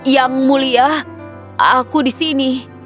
yang mulia aku di sini